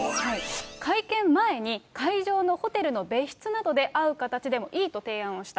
会見前に、会場のホテルの別室などで会う形でもいいと提案をした。